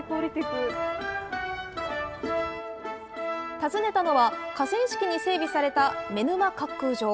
訪ねたのは、河川敷に整備された妻沼滑空場。